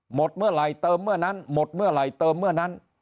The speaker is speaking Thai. หมดเมื่อไหร่เติมเมื่อนั้นหมดเมื่อไหร่เติมเมื่อนั้น